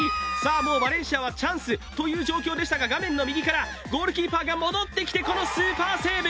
もうバレンシアはチャンスという状況でしたが画面右からゴールキーパーが戻ってきてこのスーパーセーブ！